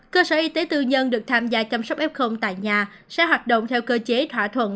cơ sở y tế tư nhân được tham gia chăm sóc f tại nhà sẽ hoạt động theo cơ chế thỏa thuận